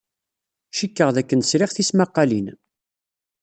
Cikkeɣ dakken sriɣ tismaqqalin.